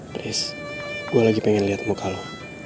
please gue lagi pengen liat muka lo